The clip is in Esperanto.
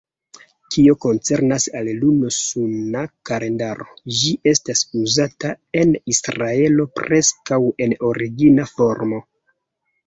Kio koncernas al luno-suna kalendaro, ĝi estas uzata en Israelo preskaŭ en origina formo.